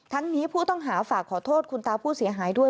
นี้ผู้ต้องหาฝากขอโทษคุณตาผู้เสียหายด้วย